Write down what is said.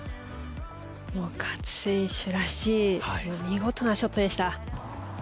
勝選手らしい見事なショットでした。